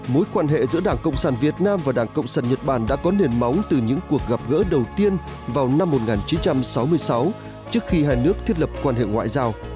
mối quan hệ giữa đảng cộng sản việt nam và đảng cộng sản nhật bản đã có nền máu từ những cuộc gặp gỡ đầu tiên vào năm một nghìn chín trăm sáu mươi sáu trước khi hai nước thiết lập quan hệ ngoại giao